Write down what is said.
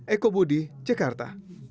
eko budi jakarta